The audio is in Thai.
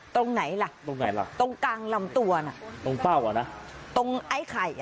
ตรงไหนล่ะตรงไหนล่ะตรงกลางลำตัวน่ะตรงเป้าอ่ะนะตรงไอ้ไข่อ่ะ